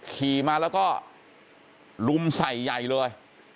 ขี่มาแล้วก็ลุมใส่ใหญ่เลย